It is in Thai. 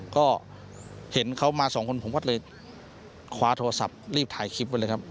ก็เห็นเขามาสองคนผมก็เลยคว้าโทรศัพท์รีบถ่ายคลิปไว้เลยครับ